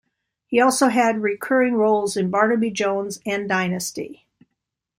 He also had recurring roles on "Barnaby Jones" and "Dynasty".